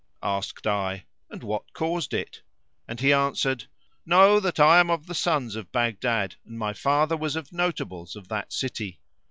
Asked I, "And what caused it?"; and he answered:—"Know that I am of the sons of Baghdad and my father was of notables of that city.